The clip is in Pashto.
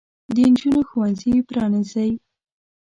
د نجونو ښوونځي پرانیزئ.